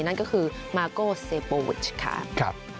นั่นก็คือมาโก้เซโปวิชค่ะ